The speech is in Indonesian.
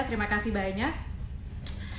terima kasih banyak